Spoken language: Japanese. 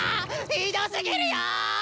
ひどすぎるよおお！